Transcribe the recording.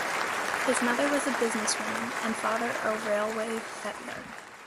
His mother was a business woman and father a railway fettler.